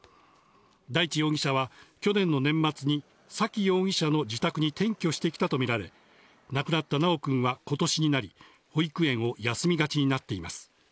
大地容疑者は去年の年末に、沙喜容疑者の自宅に転居してきたと見られ、亡くなった修君は、ことしになり、保育園を休みがちになっています。